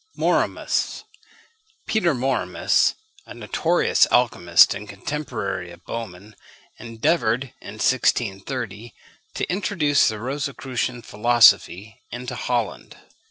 MORMIUS. Peter Mormius, a notorious alchymist and contemporary of Böhmen, endeavoured, in 1630, to introduce the Rosicrucian philosophy into Holland.